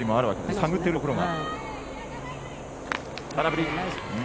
探ってるところが。